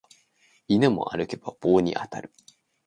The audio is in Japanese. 犬も歩けば棒に当たる